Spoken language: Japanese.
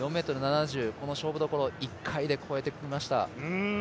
４ｍ７０、この勝負どころ１回で越えてきました。